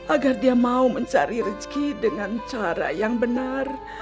agar dia mau mencari rezeki dengan cara yang benar